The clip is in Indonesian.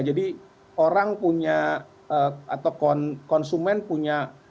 jadi orang punya atau konsumen punya